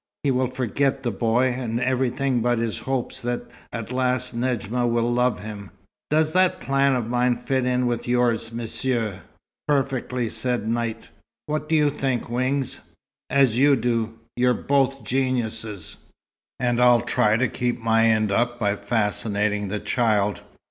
He will forget the boy, and everything but his hope that at last Nedjma will love him. Does that plan of mine fit in with yours, Monsieur?" "Perfectly," said Knight. "What do you think, Wings?" "As you do. You're both geniuses. And I'll try to keep my end up by fascinating the child.